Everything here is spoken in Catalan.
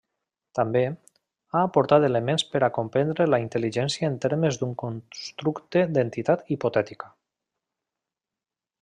També, ha aportat elements per a comprendre la intel·ligència en termes d’un constructe d’entitat hipotètica.